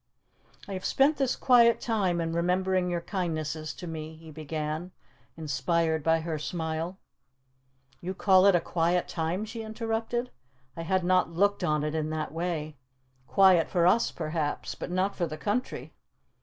"I have spent this quiet time in remembering your kindnesses to me," he began, inspired by her smile. "You call it a quiet time?" she interrupted. "I had not looked on it in that way. Quiet for us, perhaps, but not for the country."